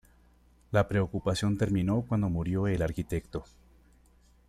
La preocupación terminó cuando murió el arquitecto.